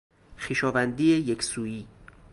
خویشاوندی یک سویی